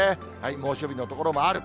猛暑日の所もある。